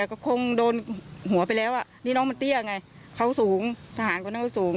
แต่ก็คงโดนหัวไปแล้วอ่ะนี่น้องมันเตี้ยไงเขาสูงทหารคนนั้นเขาสูง